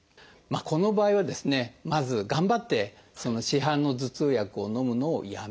この場合はまず頑張ってその市販の頭痛薬をのむのをやめる。